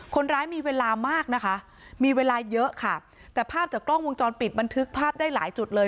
คนร้ายมีเวลามากนะคะมีเวลาเยอะค่ะแต่ภาพจากกล้องวงจรปิดบันทึกภาพได้หลายจุดเลย